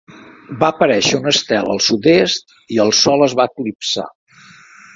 Va aparèixer un estel al sud-est, i el sol es va eclipsar.